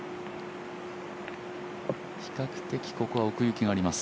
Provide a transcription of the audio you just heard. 比較的ここは奥行きがあります